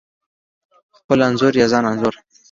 خپل انځور یا ځان انځور: